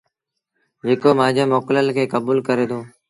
جيڪو مآݩجي موڪلل کي ڪبوٚل ڪري دو